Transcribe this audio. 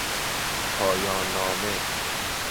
پایان نامه